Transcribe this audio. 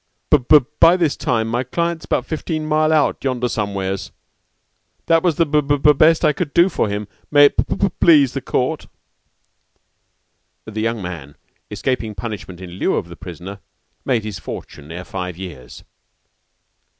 B by this time my client's 'bout fifteen mile out yonder somewheres. That was the b b best I could do for him, may it p p please the court." The young man, escaping punishment in lieu of the prisoner, made his fortune ere five years.